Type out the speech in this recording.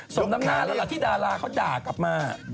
สมน้ำหน้าแล้วล่ะที่ดาราเขาด่ากลับมา